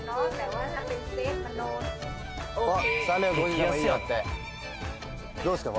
３５０でもいいよってどうですか？